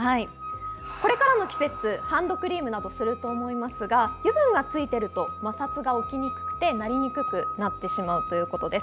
これからの季節ハンドクリームなどすると思いますが油分がついていると摩擦が起きにくくて鳴りにくくなってしまうということです。